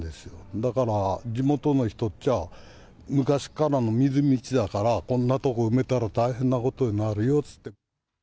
だから地元の人っちゃあ、昔からの水みちだから、こんな所埋めたら大変なことになるよって言って。